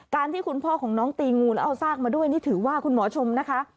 ที่คุณพ่อของน้องตีงูแล้วเอาซากมาด้วยนี่ถือว่าคุณหมอชมนะคะ